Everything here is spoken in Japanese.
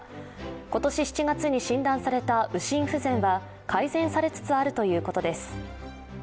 今年７月に診断された右心不全は改善されつつあるということです。